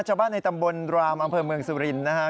ชาวบ้านในตำบลรามอำเภอเมืองสุรินทร์นะฮะ